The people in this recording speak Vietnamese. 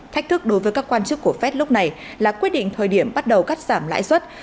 thách thức đối với các quan chức của fed lúc này là quyết định thời điểm bắt đầu cắt giảm lãi suất